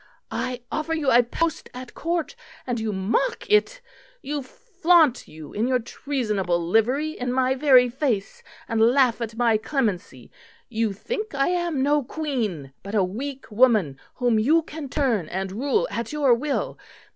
I offer you a post at Court and you mock it; you flaunt you in your treasonable livery in my very face, and laugh at my clemency. You think I am no Queen, but a weak woman whom you can turn and rule at your will.